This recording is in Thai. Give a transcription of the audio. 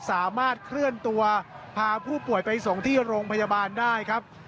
สามารถเคลื่อนตัวพาผู้ป่วยไปส่งที่โรงพยาบาลได้ครับ